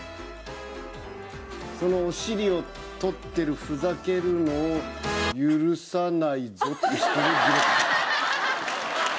そのお尻を撮ってるふざけるのを許さないぞってしてるディレクター。